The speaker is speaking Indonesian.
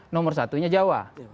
nomor satunya jawa